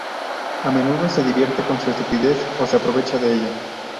A menudo se divierte con su estupidez, o se aprovecha de ella.